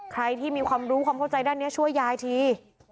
ใครที่มีความรู้ความเข้าใจด้านนี้ช่วยยายที